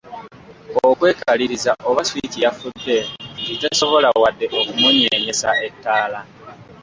Okwekaliriza oba switch yafudde nti tesobola wadde okumunyeenyesa ettaala?